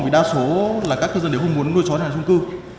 vì đa số là các cư dân đều không muốn nuôi chó nhà trung cư